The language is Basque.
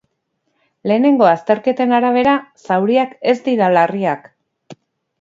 Lehenengo azterketen arabera, zauriak ez dira larriak.